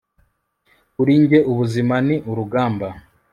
kuri njye, ubuzima ni urugamba